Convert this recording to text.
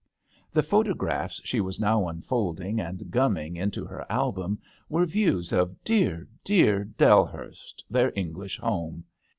The photographs she was now unfolding and gumming into her album were views of dear, dear Dellhurst, their English home.